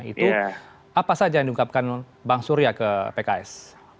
itu apa saja yang diungkapkan bang surya ke pks